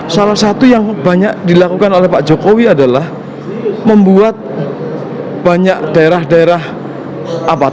salah satu yang banyak dilakukan oleh pak jokowi adalah membuat banyak daerah daerah apa